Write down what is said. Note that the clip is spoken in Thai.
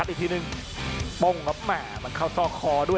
อัศวินาศาสตร์